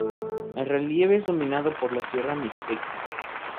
El relieve es dominado por la Sierra Mixteca.